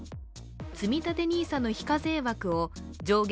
つみたてＮＩＳＡの非課税枠を上限